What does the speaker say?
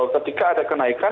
ketika ada kenaikan